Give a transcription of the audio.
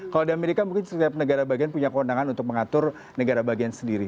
kalau di amerika mungkin setiap negara bagian punya kewenangan untuk mengatur negara bagian sendiri